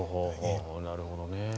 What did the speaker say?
なるほどね。